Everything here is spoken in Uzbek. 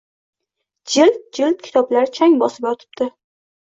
Jild-jild kitoblar chang bosib yotibdi.